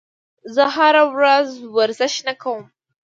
زه هره ورځ ورزش نه کوم.